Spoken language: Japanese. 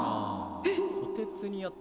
「えっ？